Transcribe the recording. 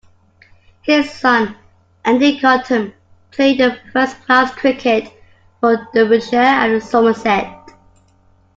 His son, Andy Cottam, played first-class cricket for Derbyshire and Somerset.